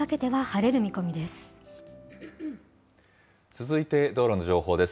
続いて道路の情報です。